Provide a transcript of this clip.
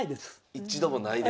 一度もないですか？